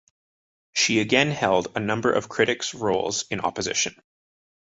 She again held a number of critic's roles in opposition.